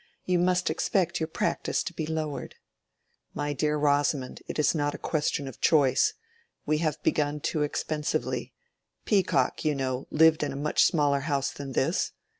You must expect your practice to be lowered." "My dear Rosamond, it is not a question of choice. We have begun too expensively. Peacock, you know, lived in a much smaller house than this.